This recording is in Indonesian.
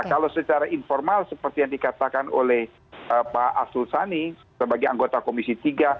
kalau secara informal seperti yang dikatakan oleh pak arsul sani sebagai anggota komisi tiga